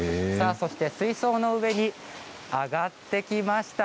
そして水槽の上に上がってきました。